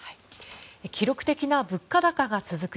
記録的な物価高が続く